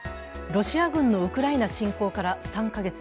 ロシア軍のウクライナ侵攻から３カ月。